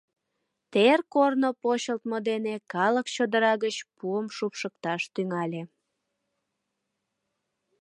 Тер корно почылтмо дене калык чодыра гыч пуым шупшыкташ тӱҥале.